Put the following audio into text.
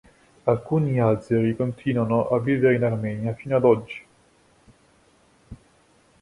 Alcuni azeri continuano a vivere in Armenia fino ad oggi.